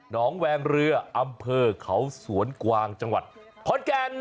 น้องแวงเรืออำเภอเขาสวนกวางจังหวัดขอนแก่น